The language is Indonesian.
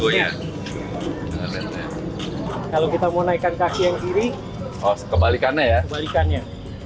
nah kalau kita mau naikkan kaki yang kiri kebalikannya